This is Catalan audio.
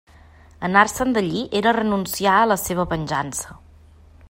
Anar-se'n d'allí era renunciar a la seua venjança.